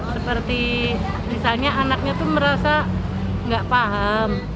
seperti misalnya anaknya itu merasa nggak paham